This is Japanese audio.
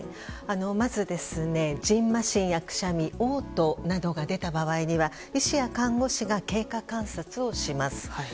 まず、じんましんやくしゃみ、嘔吐などが出た場合には医師や看護師が経過観察をします。